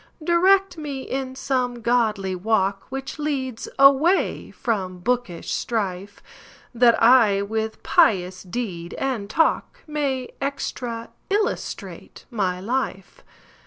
Direct me in some godly walkWhich leads away from bookish strife, That I with pious deed and talkMay extra illustrate my life.